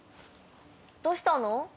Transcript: どうしたの？